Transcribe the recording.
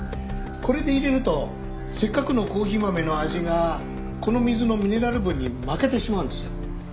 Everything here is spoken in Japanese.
これで入れるとせっかくのコーヒー豆の味がこの水のミネラル分に負けてしまうんですよ。